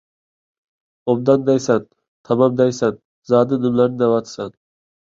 «ئوبدان» دەيسەن، «تامام» دەيسەن، زادى نېمىلەرنى دەۋاتىسەن؟